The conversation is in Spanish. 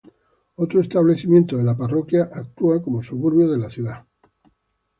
Otros establecimientos de la parroquia actúan como suburbios de la ciudad.